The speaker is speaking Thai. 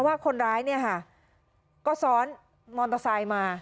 ว่าคนร้ายเนี่ยค่ะก็ซ้อนมอเตอร์ไซค์มา